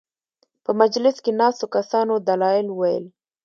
په مجلس کې ناستو کسانو دلایل وویل.